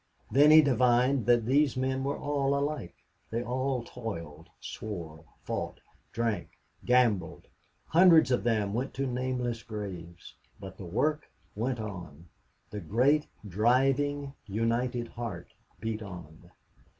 Then he divined that these men were all alike. They all toiled, swore, fought, drank, gambled. Hundreds of them went to nameless graves. But the work went on the great, driving, united heart beat on.